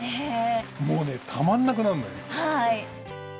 もうねたまんなくなるのよ。